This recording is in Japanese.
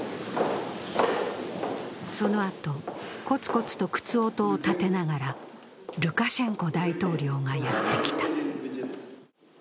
そのあと、コツコツと靴音を立てながらルカシェンコ大統領がやってきた。